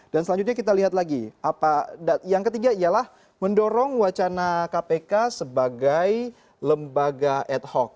dan selanjutnya kita lihat lagi yang ketiga ialah mendorong wacana kpk sebagai lembaga ad hoc